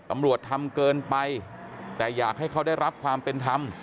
ตำรวจทำเกินไปแต่อยากให้เขาได้รับความเป็นธรรม